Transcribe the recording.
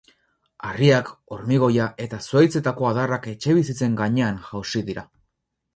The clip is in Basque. Harriak, hormigoia eta zuhaitzetako adarrak etxebizitzen gainean jausi dira.